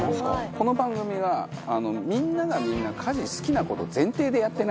この番組がみんながみんな家事好きな事前提でやってないかと。